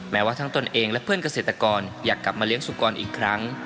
แม้ว่าทั้งตนเองและเพื่อนเกษตรกรอยากกลับมาเลี้ยงสุกรอีกครั้ง